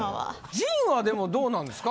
陣はでもどうなんですか？